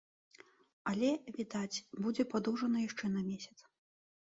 Але, відаць, будзе падоўжана яшчэ на месяц.